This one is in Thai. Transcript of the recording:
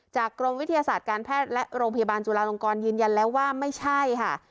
กรมวิทยาศาสตร์การแพทย์และโรงพยาบาลจุลาลงกรยืนยันแล้วว่าไม่ใช่ค่ะ